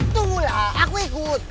tunggulah aku ikut